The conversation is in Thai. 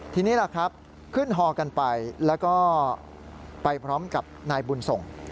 ทีนี้ล่ะครับขึ้นฮอกันไปแล้วก็ไปพร้อมกับนายบุญส่ง